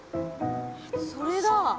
それだ。